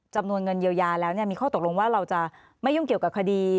จำนวนเงินเยียวยาแล้วมีข้อตกลงว่าเราจะไม่ยุ่งเกี่ยวกับคดี